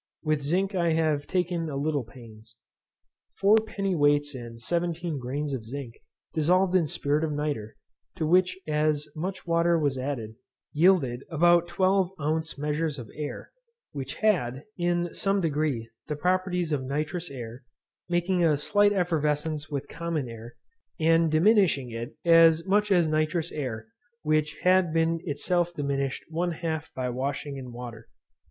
With zinc I have taken a little pains. Four penny weights and seventeen grains of zinc dissolved in spirit of nitre, to which as much water was added, yielded about twelve ounce measures of air, which had, in some degree, the properties of nitrous air, making a slight effervescence with common air, and diminishing it about as much as nitrous air, which had been itself diminished one half by washing in water.